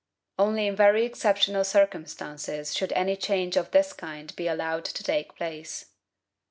Only in very exceptional circumstances should any change of this kind be allowed to take place.